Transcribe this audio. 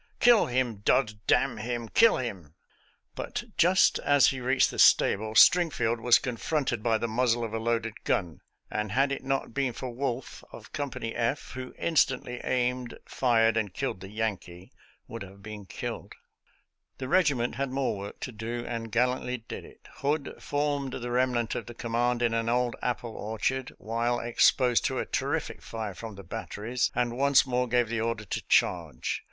Kill him, dod dam him, kill him !" But just as he reached the stable Stringfleld was confronted by the muzzle of a loaded gun, and had it not been for Wolfe, of Company F, who instantly aimed, flred, and killed the Yankee, would have been killed. •♦• 56 SOLDIER'S LETTERS TO CHARMING NELLIE The regiment had more work to do, and gal lantly did it. Hood formed the remnant of the command in an old apple orchard while exposed to a terrific fire from the batteries, and once more gave the order to charge.